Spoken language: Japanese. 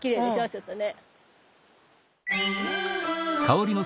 ちょっとね。